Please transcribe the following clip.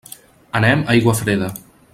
Anem a Aiguafreda.